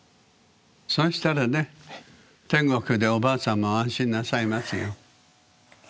そしたらね天国でおばあさんも安心なさいますよ。